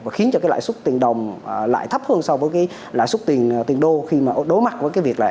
và khiến cho cái lãi suất tiền đồng lại thấp hơn so với cái lãi suất tiền đô khi mà đối mặt với cái việc là